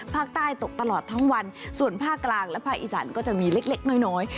ภาคใต้ตกตลอดทั้งวันส่วนภาคกลางและภาคอีสานก็จะมีเล็กน้อย